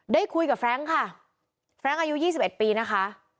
ได้คุยกับแฟรงค์ค่ะแฟรงค์อายุ๒๑ปีนะคะ